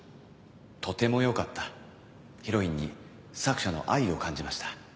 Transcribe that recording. とてもよかったヒロインに作者の愛を感じました